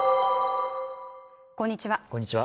こんにちは